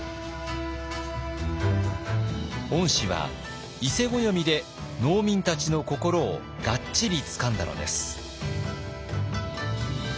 御師は伊勢暦で農民たちの心をがっちりつかんだのです。